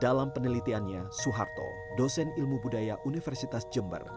dalam penelitiannya suharto dosen ilmu budaya universitas jember